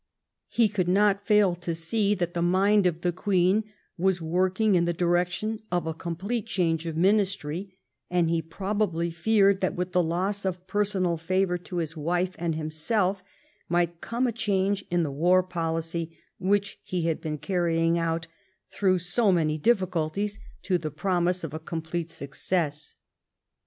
He could not fail to see that the mind of the Queen was working in the direction of a com plete change of ministry, and he probably feared that with the loss of personal favor to his wife and himself might come a change in the war policy which he had been carrying out, through so many difficulties, to the promise of a complete success.